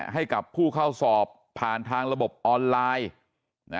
ให้กับผู้เข้าสอบผ่านทางระบบออนไลน์